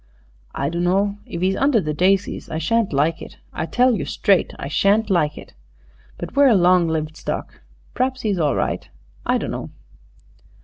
"I dunno. If 'e's under the daisies I shan't like it I tell you straight I shan't like it. But we're a long lived stock p'raps 'e's all right. I dunno."